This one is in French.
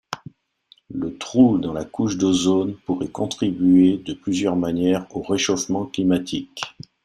Le trou dans la couche d'ozone pourrait contribuer de plusieurs manières au réchauffement climatique.